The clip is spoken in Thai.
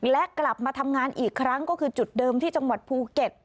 และกลับมาทำงานอีกครั้งก็คือจุดเดิมที่จังหวัดภูเก็ต